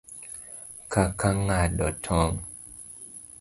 Kaka ng'ado tong',